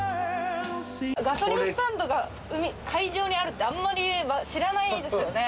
ガソリンスタンドが海上にあるってあんまり知らないですよね。